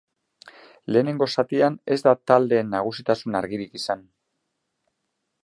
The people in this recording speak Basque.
Lehenengo zatian ez da taldeen nagusitasun argirik izan.